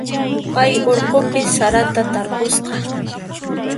Pay urqupi sarata tarpusqa.